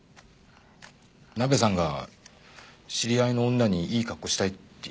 ナベさんが知り合いの女にいい格好したいって言うからさ。